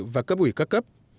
và cấp ủy các cấp